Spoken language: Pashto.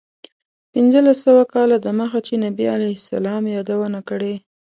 پنځلس سوه کاله دمخه چې نبي علیه السلام یادونه کړې.